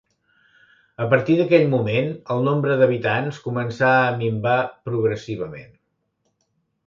A partir d'aquell moment el nombre d'habitants començà a minvar progressivament.